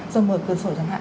rồi mở cửa sổ chẳng hạn